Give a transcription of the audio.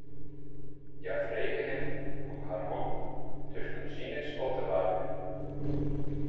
Hja frege him om har hannen tusken sines op te waarmjen.